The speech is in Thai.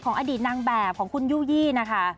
อดีตนางแบบของคุณยู่ยี่นะคะ